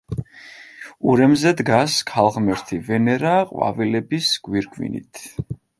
ურემზე დგას ქალღმერთი ვენერა ყვავილების გვირგვინით.